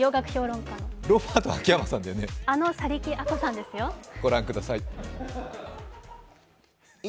あの、去木アコさんですよご覧ください。